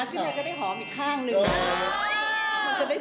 ที่ก็ได้หอมอีกข้างหนึ่ง